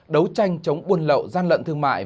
đấu tranh chống buôn lậu gian lận thương mại